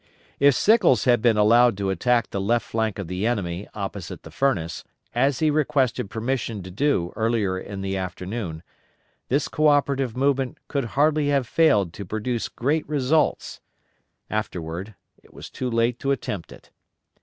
If Sickles had been allowed to attack the left flank of the enemy opposite the Furnace, as he requested permission to do earlier in the afternoon, this co operative movement could hardly have failed to produce great results; afterward it was too late to attempt it.